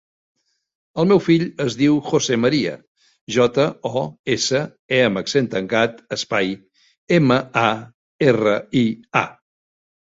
El meu fill es diu José maria: jota, o, essa, e amb accent tancat, espai, ema, a, erra, i, a.